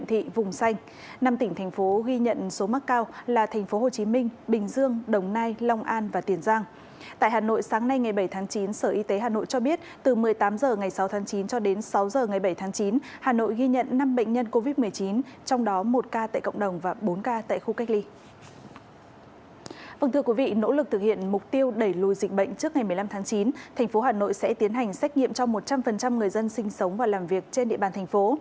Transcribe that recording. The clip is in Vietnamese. thành phố hà nội sẽ tiến hành xét nghiệm cho một trăm linh người dân sinh sống và làm việc trên địa bàn thành phố